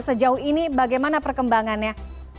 sejauh ini bagaimana perkembangannya